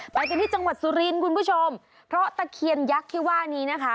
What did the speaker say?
ไปกันที่จังหวัดสุรินทร์คุณผู้ชมเพราะตะเคียนยักษ์ที่ว่านี้นะคะ